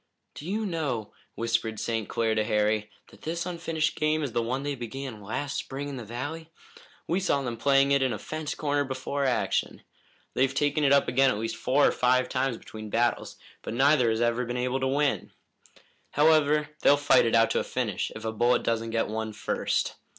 "Do you know," whispered St. Clair to Harry, "that this unfinished game is the one they began last spring in the valley? We saw them playing it in a fence corner before action. They've taken it up again at least four or five times between battles, but neither has ever been able to win. However, they'll fight it out to a finish, if a bullet doesn't get one first.